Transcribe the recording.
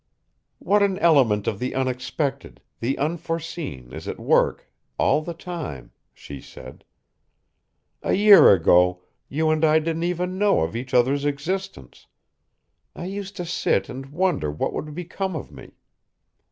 "What an element of the unexpected, the unforeseen, is at work all the time," she said. "A year ago you and I didn't even know of each other's existence. I used to sit and wonder what would become of me.